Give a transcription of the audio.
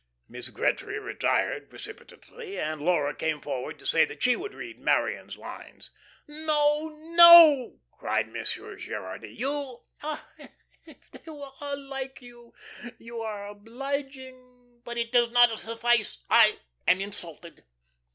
Miss Gretry retired precipitately, and Laura came forward to say that she would read Marion's lines. "No, no!" cried Monsieur Gerardy. "You ah, if they were all like you! You are obliging, but it does not suffice. I am insulted."